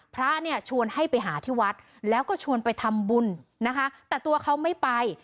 พระเนี่ยชวนให้ไปหาที่วัดแล้วก็ชวนไปทำบุญนะคะแต่ตัวเขาไม่ไป